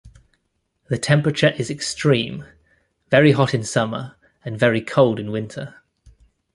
The temperature is extreme: very hot in summer and very cold in winter.